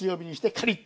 カリッと。